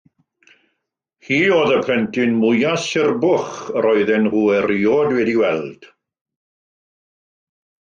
Hi oedd y plentyn mwyaf surbwch roedden nhw erioed wedi'i weld.